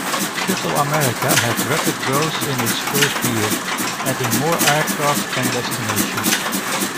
Shuttle America had rapid growth in its first year, adding more aircraft and destinations.